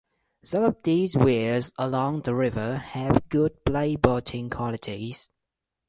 Some of these weirs along the river have good playboating qualities.